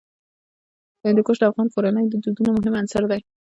هندوکش د افغان کورنیو د دودونو مهم عنصر دی.